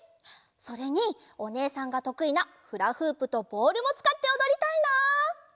それにおねえさんがとくいなフラフープとボールもつかっておどりたいな！